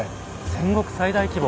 戦国最大規模。